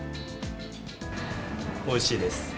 おいしいです。